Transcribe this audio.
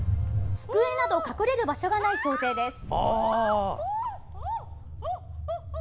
机など隠れる場所がない想定です。